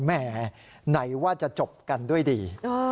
แหมไหนว่าจะจบกันด้วยดี